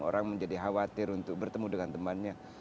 orang menjadi khawatir untuk bertemu dengan temannya